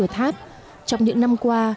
trong những năm qua